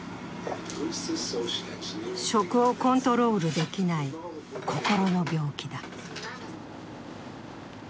食をコントロールできない心の病気だ。